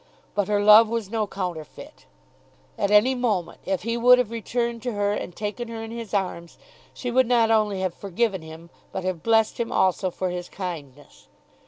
But her love was no counterfeit. At any moment if he would have returned to her and taken her in his arms, she would not only have forgiven him but have blessed him also for his kindness.